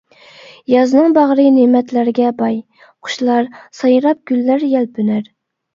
يازنىڭ باغرى نېمەتلەرگە باي، قۇشلار سايراپ گۈللەر يەلپۈنەر.